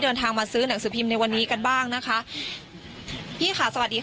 เดินทางมาซื้อหนังสือพิมพ์ในวันนี้กันบ้างนะคะพี่ค่ะสวัสดีค่ะ